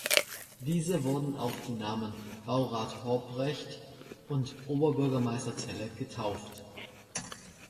Diese wurden auf die Namen "Baurat Hobrecht" und "Oberbürgermeister Zelle" getauft.